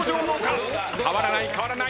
変わらない変わらない。